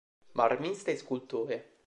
Marmista e scultore.